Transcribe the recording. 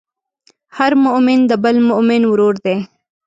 هر مؤمن د بل مؤمن ورور دی.